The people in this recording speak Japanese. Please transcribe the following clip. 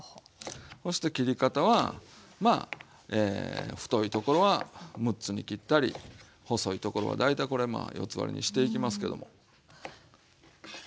そして切り方はまあ太いところは６つに切ったり細いところは大体これまあ４つ割りにしていきますけども。ね。